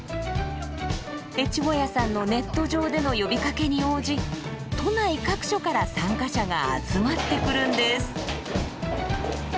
越後屋さんのネット上での呼びかけに応じ都内各所から参加者が集まってくるんです。